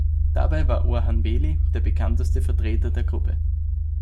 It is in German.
Dabei war Orhan Veli der bekannteste Vertreter der Gruppe.